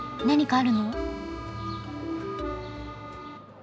何かあるの？